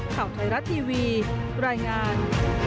ข่าวไทยรัฐทีวีรายงาน